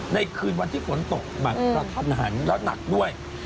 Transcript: ในคืนวันที่ฝนตกแบบกระทันหันแล้วหนักด้วย